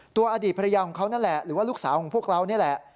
อดีตภรรยาของเขานั่นแหละหรือว่าลูกสาวของพวกเรานี่แหละ